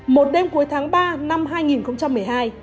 một đêm cuối tháng ba năm hai nghìn một mươi hai